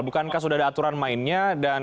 bukankah sudah ada aturan mainnya dan